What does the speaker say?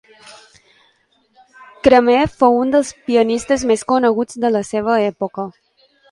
Cramer fou un dels pianistes més coneguts de la seva època.